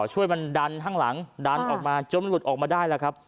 ช่วยมันดันข้างหลังดันออกมาจนหลุดออกมาได้แล้วครับ